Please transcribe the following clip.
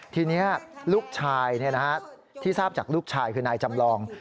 ทีนี้ลูกชายที่ทราบจากลูกชายคือนายจำลอง